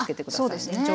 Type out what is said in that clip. あっそうですね